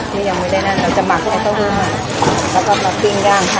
ไม่ยังไม่ได้นั่นเราจะหมักกับโต๊ะหู้มากแล้วก็มาปิ้งย่างค่ะ